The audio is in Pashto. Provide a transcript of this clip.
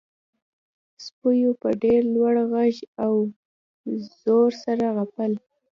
سپیو په ډیر لوړ غږ او زور سره غپل